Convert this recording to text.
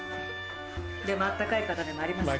でも温かい方でもありますよ。